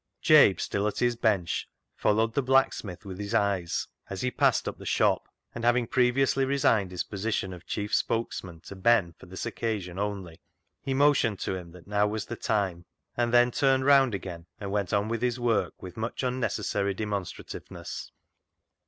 Jabe, still at his bench, followed the blacksmith with his eyes as he passed up the shop, and having previously resigned his position of chief spokesman to Ben for this occasion only, he motioned to him that now was the time, and then turned round again and went on with his work with much unnecessary demonstrativeness.